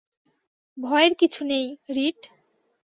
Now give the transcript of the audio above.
ভয়ের কিছু নেই, রিট।